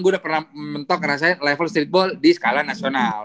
gue udah pernah mentok ngerasain level streetball di skala nasional